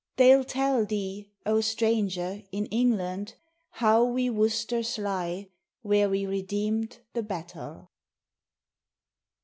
They'll tell thee, O stranger, in England How we Worcesters lie where we redeem'd the battle.